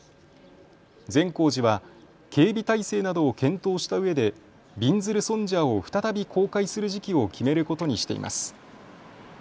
善光寺は警備体制などを検討したうえで、びんずる尊者を再び公開する時期を決めることにしています。